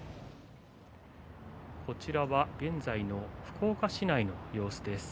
こちらは現在の福岡市内の様子です。